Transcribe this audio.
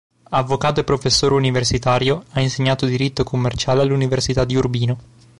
Avvocato e professore universitario, ha insegnato diritto commerciale all'università di Urbino.